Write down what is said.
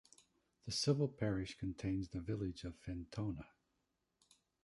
The civil parish contains the village of Fintona.